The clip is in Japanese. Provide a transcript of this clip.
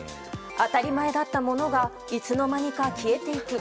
当たり前だったものがいつの間にか消えていく。